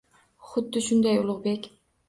— Xuddi shunday, Ulugʻbek.